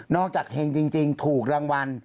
อกจากเฮงจริงถูกรางวัล